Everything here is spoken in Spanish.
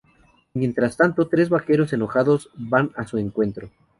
Mientras tanto, tres vaqueros enojados van a su encuentro.